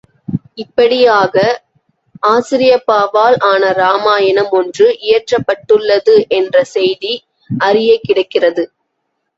இப்படியாக, ஆசிரியப்பாவால் ஆன இராமாயணம் ஒன்று இயற்றப்பட்டுள்ளது என்ற செய்தி அறியக்கிடக்கிறது.